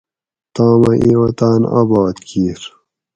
تامہ ایں اوطاۤن آباد کِیر